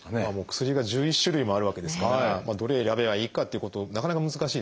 薬が１１種類もあるわけですからどれ選べばいいかっていうことなかなか難しいですね。